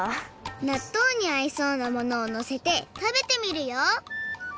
なっとうにあいそうなものをのせてたべてみるよ！